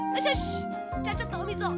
じゃあちょっとおみずを。